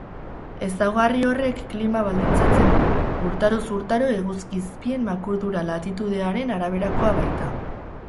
Ezaugarri horrek klima baldintzatzen du, urtaroz urtaro eguzki-izpien makurdura latitudearen araberakoa baita.